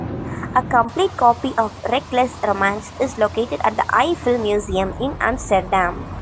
A complete copy of "Reckless Romance" is located at the Eye Filmmuseum in Amsterdam.